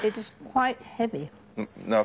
はい。